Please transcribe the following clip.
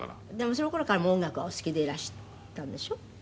その頃からもう音楽はお好きでいらしたんでしょ？